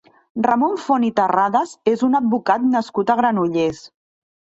Ramon Font i Terrades és un advocat nascut a Granollers.